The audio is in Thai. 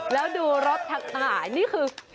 แล้วดูรถทั้งหลายนี่คือ